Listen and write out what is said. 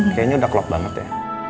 kayaknya udah klop banget ya